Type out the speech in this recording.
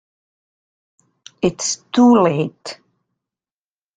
It is too late.